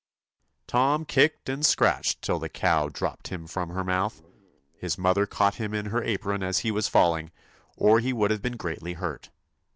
Tom kicked and scratched till the cow dropped him from her mouth. His mother caught him in her apron as he was falling, or he would have been greatly hurt.